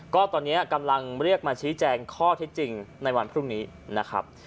ก็ตอนนี้กำลังเรียกมาชี้แจงข้อที่จริงในวันพรุ่งนี้นะครับ